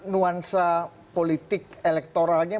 nuansa politik elektoralnya